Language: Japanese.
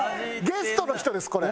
ゲストの人ですこれ。